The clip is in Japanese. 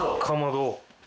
かまど。